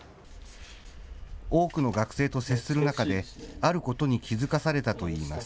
多くの学生と接する中であることに気付かされたといいます。